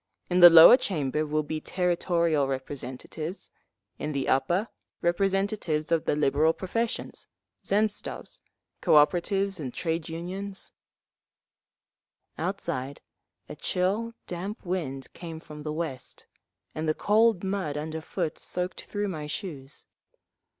In the lower chamber will be territorial representatives; in the upper, representatives of the liberal professions, zemstvos, Cooperatives—and Trade Unions…." Outside a chill, damp wind came from the west, and the cold mud underfoot soaked through my shoes.